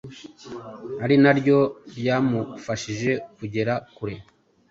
ari naryo ryamufashije kugera kure